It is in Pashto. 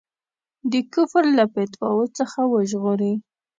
د کفر له فتواوو څخه وژغوري.